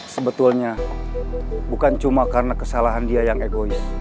sebetulnya bukan cuma karena kesalahan dia yang egois